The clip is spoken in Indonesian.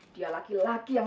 dia laki laki yang